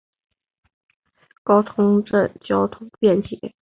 高桥镇交通便捷。